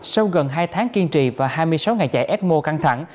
sau gần hai tháng kiên trì và hai mươi sáu ngày chạy f một căng thẳng